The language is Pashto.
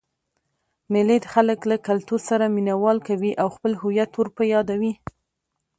مېلې خلک له کلتور سره مینه وال کوي او خپل هويت ور په يادوي.